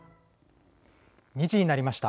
２時になりました。